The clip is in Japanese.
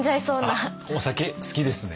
あっお酒好きですね？